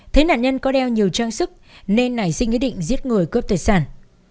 thấy nạn nhân có đeo nhiều trang sức nên nảy sinh ý định giết người cướp tài sản